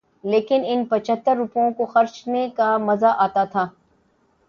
لیکن ان پچھتر روپوں کو خرچنے کا مزہ آتا تھا۔